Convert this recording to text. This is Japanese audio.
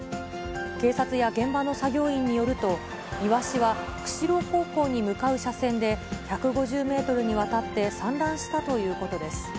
警察や現場の作業員によると、イワシは釧路方向に向かう車線で、１５０メートルにわたって散乱したということです。